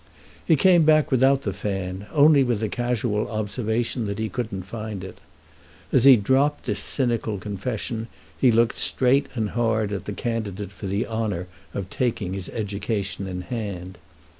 He came back without the fan, only with the casual observation that he couldn't find it. As he dropped this cynical confession he looked straight and hard at the candidate for the honour of taking his education in hand.